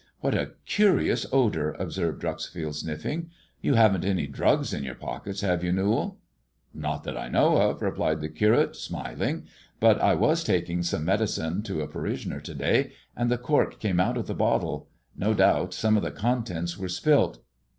"What a curious odour," observed Dreuxfield, sniffing; "you haven't any drugs in your pockets, have you, i Newall ?"'" Not that I know of," replied the Curate, smiling, "but I was taking some medicine to a parishioner to day, and the cork came out of the bottle. No doubt some of the contents were spilt."